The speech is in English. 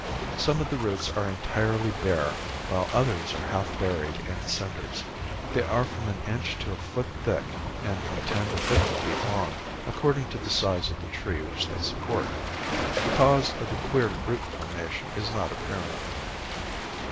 Some of the roots are entirely bare while others are half buried in cinders. They are from an inch to a foot thick and from ten to fifty feet long, according to the size of the tree which they support. The cause of the queer root formation is not apparent.